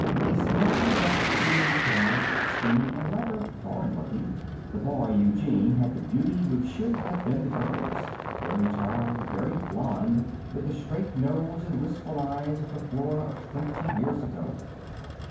A small, dark, eerie child, skinny and rather foreign looking. The boy, Eugene, had the beauty which should have been the girl's. Very tall, very blond, with the straight nose and wistful eyes of the Flora of twenty years ago.